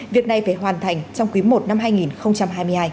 việc này phải hoàn thành trong quý i năm hai nghìn hai mươi hai